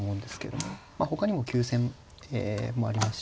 ほかにも急戦もありますし。